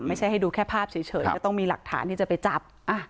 ให้ดูแค่ภาพเฉยก็ต้องมีหลักฐานที่จะไปจับ